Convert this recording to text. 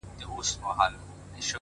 د شپې نه وروسته بيا سهار وچاته څه وركوي’